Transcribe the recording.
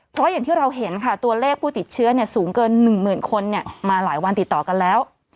เพราะอย่างที่เราเห็นค่ะตัวเลขผู้ติดเชื้อสูงเกิน๑๐๐๐คนมาหลายวันติดต่อกันแล้ว